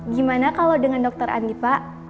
gimana kalau dengan dokter andi pak